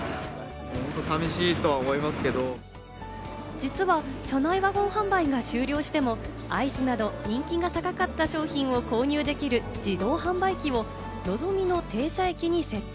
実は車内ワゴン販売が終了してもアイスなど人気が高かった商品を購入できる自動販売機をのぞみの停車駅に設置。